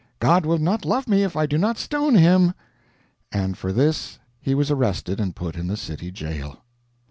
God will not love me if I do not stone him." And for this he was arrested and put in the city jail.